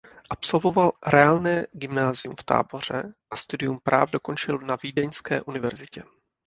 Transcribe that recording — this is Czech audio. Absolvoval reálné gymnázium v Táboře a studium práv dokončil na Vídeňské univerzitě.